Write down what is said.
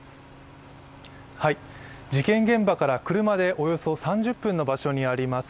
事件現場から車でおよそ３０分の場所にあります